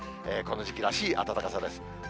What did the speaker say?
この時期らしい暖かさです。